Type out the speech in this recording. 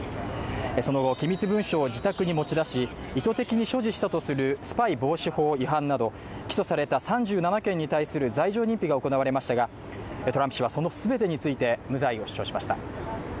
その後機密文書を自宅に持ち出し、意図的に所持したとするスパイ防止法違反など起訴された３７件に対する罪状認否が行われましたが、トランプ氏はその全てについて無罪を主張しました。